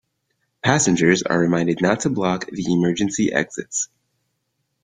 Passengers are reminded not to block the emergency exits.